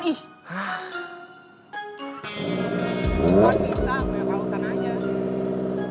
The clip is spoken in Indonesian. bisa banyak alasan aja